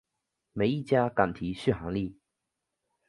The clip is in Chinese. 没一家敢提续航力